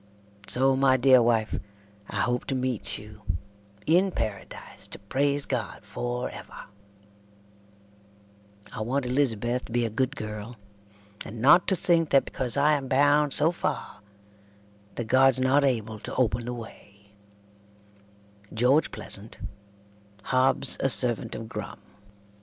So my dear wife I hope to meet you In paradase to prase god forever I want Elizabeth to be a good girl and not to thinke that becasue I am bound so fare that gods not abble to open the way "GEORGE PLEASANT, "Hobbs a servant of Grum."